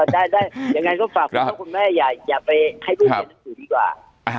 อ๋อได้อย่างงั้นก็ฝากคุณพ่อคุณแม่อย่าไปให้พูดในหนังสือดีกว่า